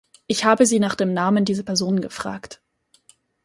Ich habe Sie nach dem Namen dieser Person gefragt.